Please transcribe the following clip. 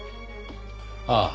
ああ。